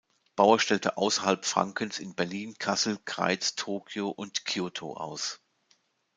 Bauer stellte außerhalb Frankens in Berlin, Kassel, Greiz, Tokyo und Kyōto aus.